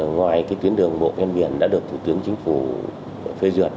ngoài tuyến đường bộ ven biển đã được thủ tướng chính phủ phê duyệt